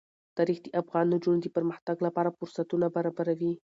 تاریخ د افغان نجونو د پرمختګ لپاره فرصتونه برابروي.